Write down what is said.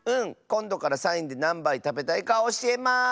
こんどからサインでなんばいたべたいかおしえます！